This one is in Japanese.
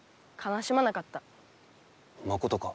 まことか？